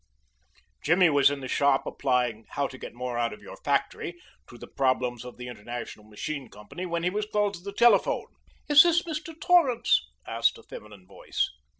Jimmy was in the shop applying "How to Get More Out of Your Factory" to the problems of the International Machine Company when he was called to the telephone. "Is this Mr. Torrance?" asked a feminine voice.